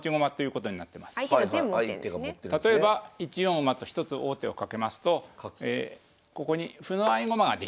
例えば１四馬と一つ王手をかけますとここに歩の合駒ができます。